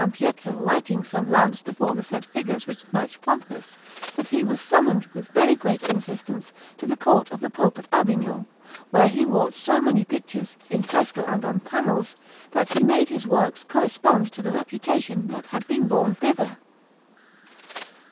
Pietro lighting some lamps before the said figures with much promptness, that he was summoned with very great insistence to the Court of the Pope at Avignon, where he wrought so many pictures, in fresco and on panels, that he made his works correspond to the reputation that had been borne thither.